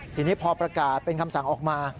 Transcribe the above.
ทีนี้พอประกาศเป็นคำสั่งออกมา